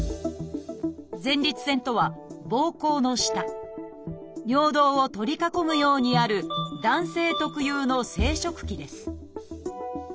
「前立腺」とはぼうこうの下尿道を取り囲むようにある男性特有の生殖器です